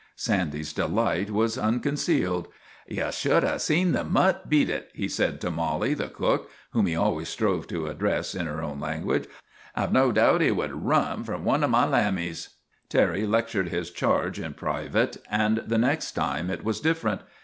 Sandy's delight was unconcealed. Ye should have seen the mutt beat it," he said to Mollie the 36 THE TWA DOGS O' GLENFERGUS cook, whom he always strove to address in her own language. ' I ' ve no doubt he would run from one of my Iambics." Terry lectured his charge in private and the next time it was different.